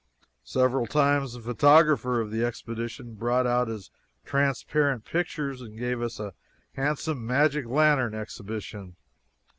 Several times the photographer of the expedition brought out his transparent pictures and gave us a handsome magic lantern exhibition.